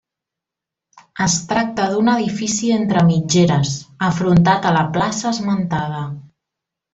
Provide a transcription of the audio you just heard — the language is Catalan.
Es tracta d'un edifici entre mitgeres, afrontat a la plaça esmentada.